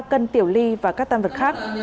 ba cân tiểu ly và các tam vật khác